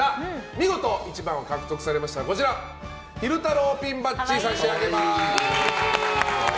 見事１番を獲得されましたら昼太郎ピンバッジを差し上げます。